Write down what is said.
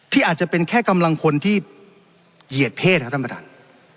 อาจจะเป็นแค่กำลังคนที่เหยียดเพศครับท่านประธาน